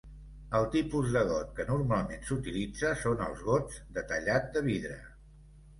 El tipus de got que normalment s'utilitza són els gots de tallat de vidre.